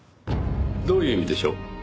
どういう意味でしょう？